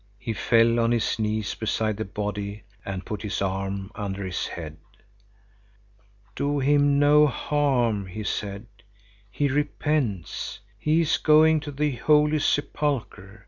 He fell on his knees beside the body and put his arm under his head. "Do him no harm," he said. "He repents; he is going to the Holy Sepulchre.